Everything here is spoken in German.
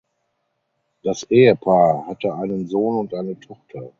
Das Ehepaar hatte einen Sohn und eine Tochter.